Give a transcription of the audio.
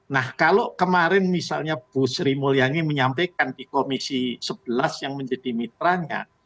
nah kalau kemarin misalnya bu sri mulyani menyampaikan di komisi sebelas yang menjadi mitranya